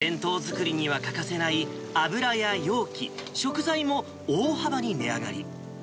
弁当作りには欠かせない油や容器、食材も大幅に値上がり。